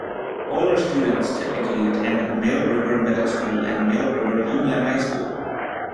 Older students typically attend Mill River Middle School and Mill River Union High School.